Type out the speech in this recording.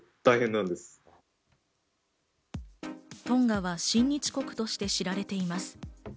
トンガは親日国として知られています。